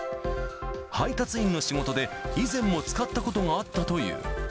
配達員の仕事で以前も使ったことがあったという。